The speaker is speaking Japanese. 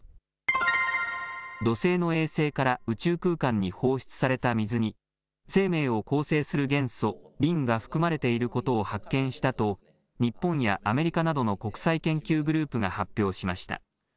土星の衛星から宇宙空間に放出された水に生命を構成する元素リンが含まれていることを発見したと日本やアメリカなどの国際研究グループが発表しました。